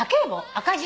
赤字。